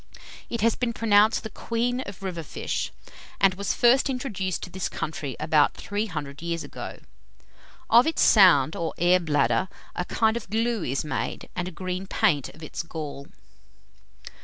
It has been pronounced the queen of river fish, and was first introduced to this country about three hundred years ago. Of its sound, or air bladder, a kind of glue is made, and a green paint of its gall.